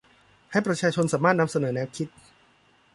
ให้ประชาชนสามารถนำเสนอแนวคิด